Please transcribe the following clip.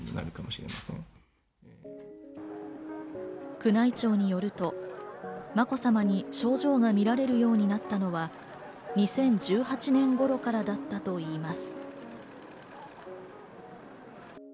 宮内庁によると、まこさまに症状がみられるようになったのは２０１８年頃からだったといいます。